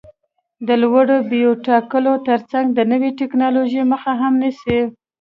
د لوړو بیو ټاکلو ترڅنګ د نوې ټکنالوژۍ مخه هم نیسي.